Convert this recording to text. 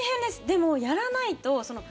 でも、やらないと。